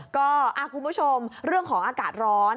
คุณผู้ชมเรื่องของอากาศร้อน